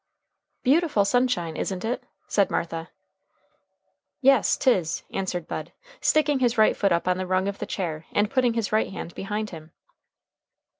"Beautiful sunshine, isn't it?" said Martha. "Yes, 'tis," answered Bud, sticking his right foot up on the rung of the chair and putting his right hand behind him.